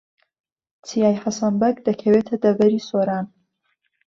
چیای حەسەن بەگ دەکەوێتە دەڤەری سۆران.